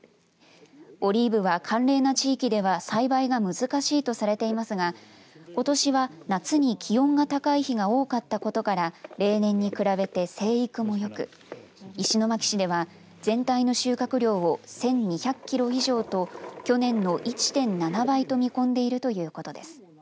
オリーブは寒冷な地域では栽培が難しいとされていますがことしは夏に気温が高い日が多かったことから例年に比べて生育もよく石巻市では全体の収穫量を１２００キロ以上と去年の１．７倍と見込んでいるということです。